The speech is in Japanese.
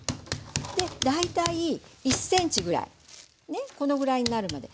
で大体１センチぐらいこのぐらいになるまで。